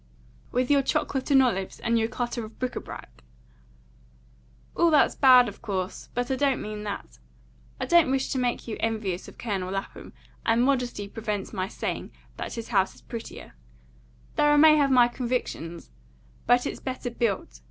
"With your chocolates and olives, and your clutter of bric a brac?" "All that's bad, of course, but I don't mean that. I don't wish to make you envious of Colonel Lapham, and modesty prevents my saying, that his house is prettier, though I may have my convictions, but it's better built.